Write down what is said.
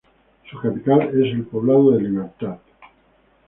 Su capital es el poblado de Libertad.